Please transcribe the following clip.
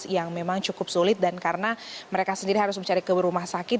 yang memang cukup sulit dan karena mereka sendiri harus mencari ke rumah sakit